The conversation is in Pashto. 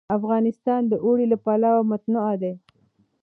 افغانستان د اوړي له پلوه متنوع دی.